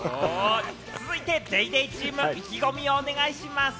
続いてＤａｙＤａｙ．チーム、意気込みをお願いします。